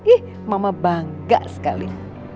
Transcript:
ih mama bangga sekali